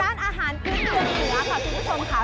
ร้านอาหารพื้นเมืองเหนือค่ะคุณผู้ชมค่ะ